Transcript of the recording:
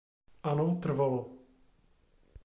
Ano, trvalo.